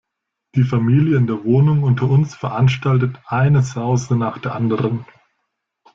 Die Familie in der Wohnung unter uns veranstaltet eine Sause nach der anderen.